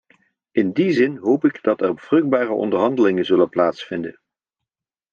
In die zin hoop ik dat er vruchtbare onderhandelingen zullen plaatsvinden.